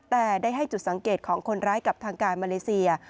แต่ได้ให้จุดสังเกตของคนร้ายกับทางการมาเลเซีย